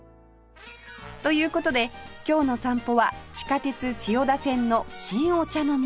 という事で今日の散歩は地下鉄千代田線の新御茶ノ水